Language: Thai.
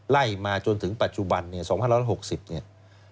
ไล่มาจนถึงปัจจุบันเนี่ย๒๑๖๐เนี่ย